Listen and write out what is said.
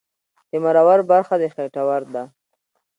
د مرور برخه د خېټور ده